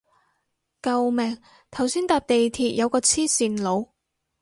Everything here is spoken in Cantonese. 救命頭先搭地鐵有個黐線佬